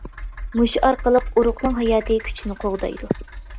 مۇشۇ ئارقىلىق ئۇرۇقنىڭ ھاياتى كۈچىنى قوغدايدۇ.